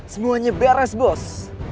semuanya beres bos